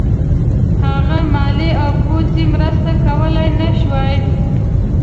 هغه مالي او پوځي مرسته کولای نه شوای.